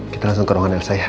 kita langsung ke ruangan elsa ya